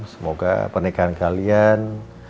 semoga pernikahan kalian